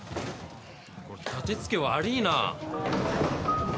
これ立て付け悪いな。